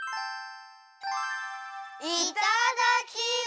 いただきます！